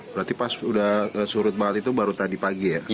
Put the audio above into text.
berarti pas udah surut banget itu baru tadi pagi ya